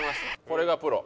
これがプロ。